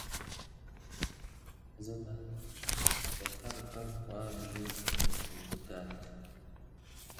А зэманым фэтэрхэр хуабжьу зэпэубыдат.